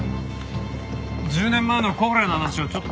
１０年前のコフレの話をちょっと。